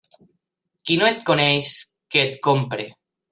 Qui no et coneix, que et compri.